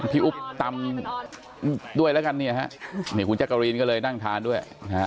พี่อุ๊ปตำด้วยแล้วกันคุณจักรรีนก็เลยนั่งทานด้วย